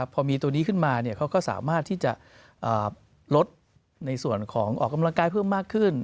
พอมีตัวนี้ขึ้นมาเขาก็สามารถที่จะลดในส่วนของออกกำลังกายเพิ่มมากขึ้น